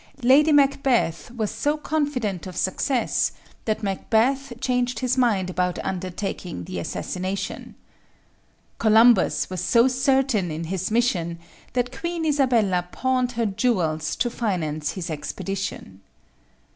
Lady Macbeth was so confident of success that Macbeth changed his mind about undertaking the assassination. Columbus was so certain in his mission that Queen Isabella pawned her jewels to finance his expedition.